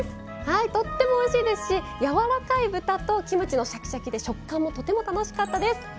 はいとってもおいしいですしやわらかい豚とキムチのシャキシャキで食感もとても楽しかったです。